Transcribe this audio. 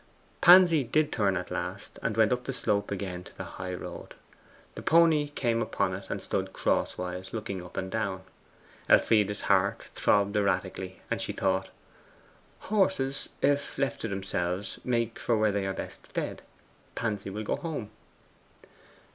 Pansy did turn at last, and went up the slope again to the high road. The pony came upon it, and stood cross wise, looking up and down. Elfride's heart throbbed erratically, and she thought, 'Horses, if left to themselves, make for where they are best fed. Pansy will go home.